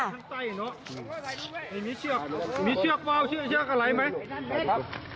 มีเชือกแววเชือกอะไรไหม